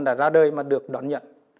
đã ra đời mà được đón nhận